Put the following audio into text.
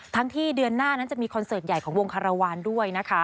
ที่เดือนหน้านั้นจะมีคอนเสิร์ตใหญ่ของวงคารวาลด้วยนะคะ